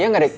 iya gak rik